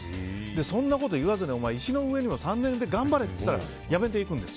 そんなこと言わずお前、石の上にも３年で頑張れって言ったら辞めていくんです。